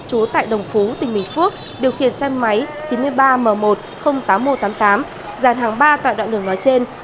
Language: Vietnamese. chú tại đồng phú tỉnh bình phước điều khiển xe máy chín mươi ba m một trăm linh tám nghìn một trăm tám mươi tám dàn hàng ba tại đoạn đường nói trên